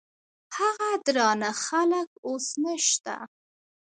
هغه درانه خلګ اوس نشته.